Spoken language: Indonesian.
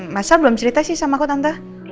masa belum cerita sih sama aku tante